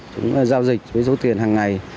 chúng tôi giao dịch với số tiền hằng ngày